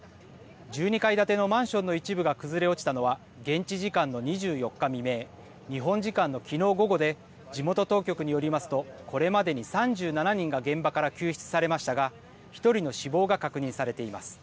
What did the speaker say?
１２階建てのマンションの一部が崩れ落ちたのは現地時間の２４日未明、日本時間のきのう午後で地元当局によりますとこれまでに３７人が現場から救出されましたが１人の死亡が確認されています。